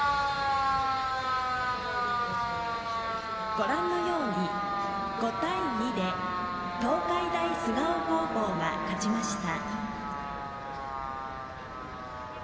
ご覧のように５対２で東海大菅生高校が勝ちました。